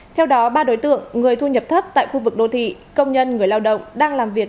theo đó ba đối tượng người thu nhập thấp tại khu vực đô thị công nhân người lao động đang làm việc